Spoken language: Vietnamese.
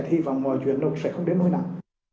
hy vọng mọi chuyện nó sẽ không đến nỗi nặng